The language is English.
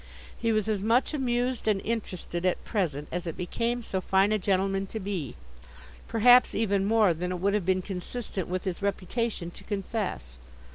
He was as much amused and interested, at present, as it became so fine a gentleman to be; perhaps even more than it would have been consistent with his reputation to confess.